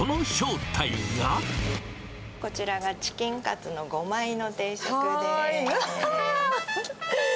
こちらがチキンカツの５枚のうわー。